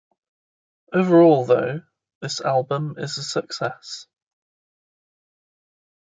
Overall, though, this album is a success.